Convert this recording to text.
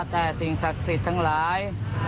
แต่สิ่งศักดิ์สิทธิ์ทั้งหลาย